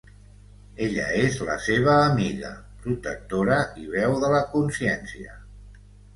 Ella és la seva amiga, protectora i veu de la consciència.